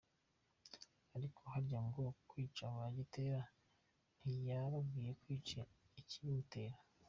Ariko harya aho kwica “ba Gitera ntiyarakwiye kwica ikibibatera”!!